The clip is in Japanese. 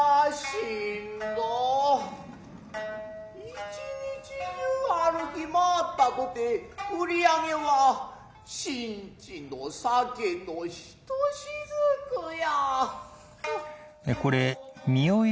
一日中歩き廻ったとて売上げは新地の酒の一ト雫や。